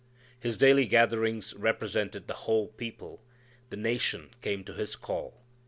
His daily gatherings represented the whole people. The nation came to his call.